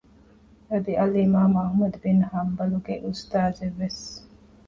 އަދި އަލްއިމާމު އަޙްމަދު ބިން ޙަންބަލުގެ އުސްތާޒެއްވެސް